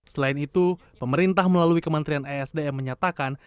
selain itu pemerintah melalui kementerian esdm menyatakan